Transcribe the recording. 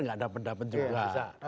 nggak ada pendapat juga